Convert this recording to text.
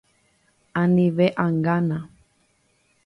Anive angána